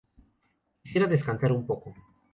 Quisiera descansar un poco.